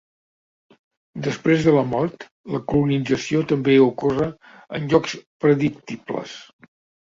Després de la mort, la colonització també ocorre en llocs predictibles.